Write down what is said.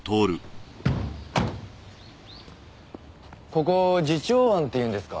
ここ慈朝庵って言うんですか。